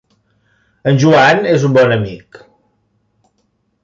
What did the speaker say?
En Joan és un bon amic.